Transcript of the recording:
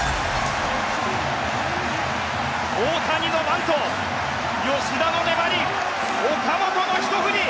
大谷のバント、吉田の粘り岡本のひと振り！